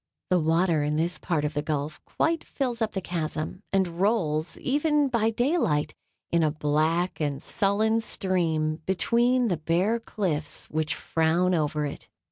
The water in this part of the gulf quite fills up the chasm, and rolls, even by day light, in a black and sullen stream between the bare cliffs which frown over it.